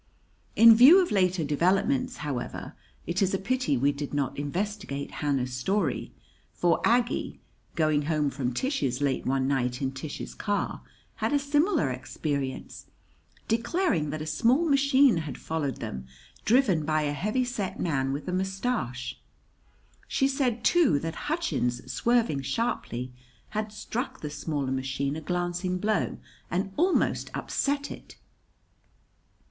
In view of later developments, however, it is a pity we did not investigate Hannah's story; for Aggie, going home from Tish's late one night in Tish's car, had a similar experience, declaring that a small machine had followed them, driven by a heavy set man with a mustache. She said, too, that Hutchins, swerving sharply, had struck the smaller machine a glancing blow and almost upset it.